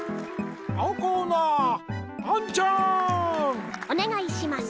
青コーナーアンちゃん！おねがいします。